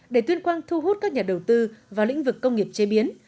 để tuyên quang thu hút các nhà đầu tư vào lĩnh vực công nghiệp chế biến